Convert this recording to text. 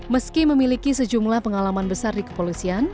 meski memiliki sejumlah pengalaman besar di kepolisian